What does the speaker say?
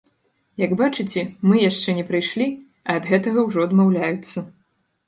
Як бачыце, мы яшчэ не прыйшлі, а ад гэтага ўжо адмаўляюцца.